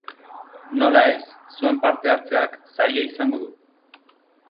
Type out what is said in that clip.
Nola ez, zuen parte hartzeak saria izango du.